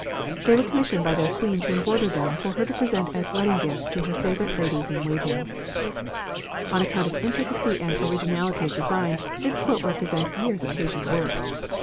They were commissioned by their queen to embroider them for her to present as wedding gifts to her favourite ladies in waiting." On account of intricacy and originality of design this quilt represents years of patient work.